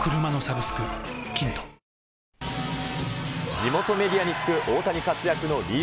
地元メディアに聞く大谷活躍の理由